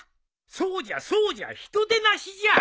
そうじゃそうじゃ人でなしじゃ。